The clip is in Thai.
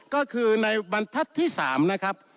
ก็คือในบรรทัศน์ที่๓นะครับ